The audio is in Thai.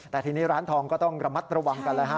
แต่ทีนี้ร้านทองก็ต้องระมัดระวังกันเลยฮะ